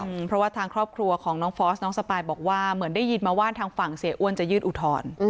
เพราะว่าทางครอบครัวของน้องฟอสน้องสปายบอกว่าเหมือนได้ยินมาว่าทางฝั่งเสียอ้วนจะยื่นอุทธรณ์